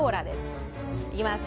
いきます。